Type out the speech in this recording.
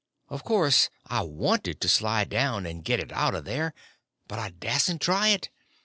Of course I wanted to slide down and get it out of there, but I dasn't try it.